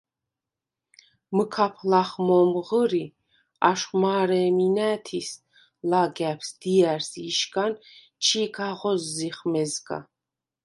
მჷქაფ ლახ მო̄მ ღჷრი, აშხვ მა̄რე̄მი ნა̄̈თის – ლაგა̈ფს, დია̈რს ი იშგან ჩი̄ ქახოზზიხ მეზგა.